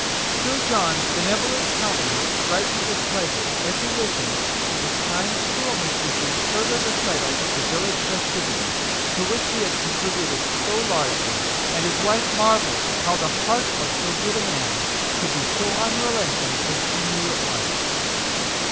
Sir John's benevolent countenance bright ened with pleasure as he listened to the kind schoolmistress's further recital of the village festivities, to which he had contributed so largely j and his wife marvelled how the heart of so good a man could be so unrelenting as she knew it was.